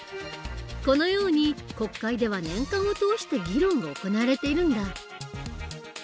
このように国会では年間を通して議論が行われているんだ。